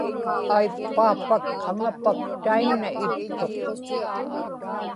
aippaapak qaŋapak tainna ittuq